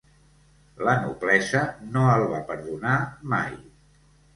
La noblesa no el va perdonar mai.